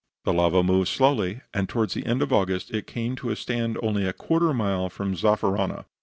The lava moved but slowly, and towards the end of August it came to a stand, only a quarter of a mile from Zaffarana.